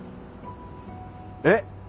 えっ？